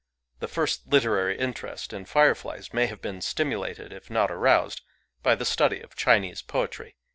The first literary interest in fireflies may have been stimulated, if not aroused, by the study of Chinese poetry.